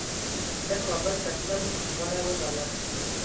ده کابل ته تلل غوره وبلل.